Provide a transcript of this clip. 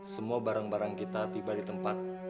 semua barang barang kita tiba di tempat